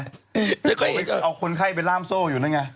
เอาคนไข้ไปล่ามโซ่อยู่นั่นไง